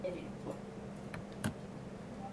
長野県茅野市